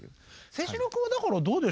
清史郎君はだからどうでしょう？